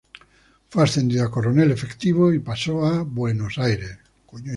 Fue ascendido a coronel efectivo y pasó a Buenos Aires.